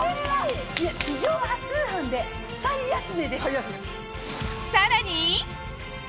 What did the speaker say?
地上波通販で最安値です！